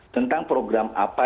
tentang program apa